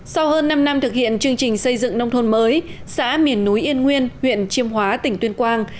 sau hơn năm năm thực hiện chương trình xây dựng nông thôn mới xã miền núi yên nguyên huyện chiêm hóa tỉnh tuyên quang